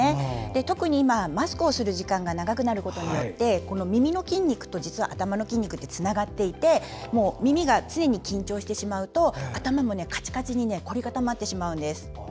特に今、マスクをする時間が長くなることによって耳の筋肉と頭の筋肉って実はつながっていて耳が常に緊張してしまうと頭もカチカチに凝り固まってしまうんです。